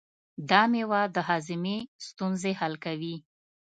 دا مېوه د هاضمې ستونزې حل کوي.